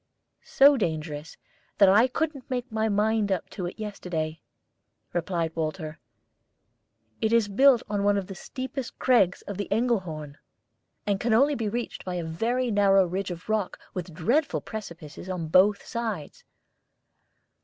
"So dangerous that I couldn't make up my mind to it yesterday," replied Walter. "It is built on one of the steepest crags of the Engelhorn, and can only be reached by a very narrow ridge of rock with dreadful precipices on both sides."